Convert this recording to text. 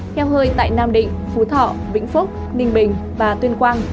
heo hơi tại nam định phú thọ vĩnh phúc ninh bình và tuyên quang